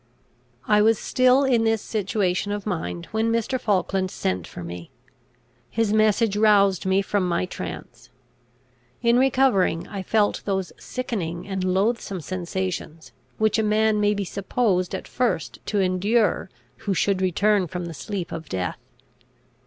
I was still in this situation of mind when Mr. Falkland sent for me. His message roused me from my trance. In recovering, I felt those sickening and loathsome sensations, which a man may be supposed at first to endure who should return from the sleep of death.